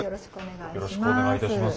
よろしくお願いします。